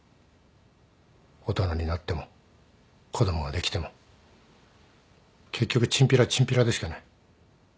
大人になっても子供ができても結局チンピラはチンピラでしかない。